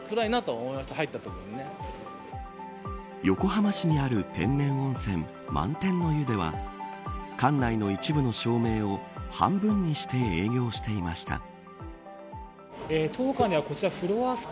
横浜市にある天然温泉満天の湯では館内の一部の照明を半分にして営業していました。